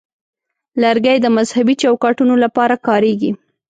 لرګی د مذهبي چوکاټونو لپاره کارېږي.